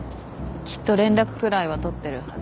きっと連絡くらいは取ってるはず。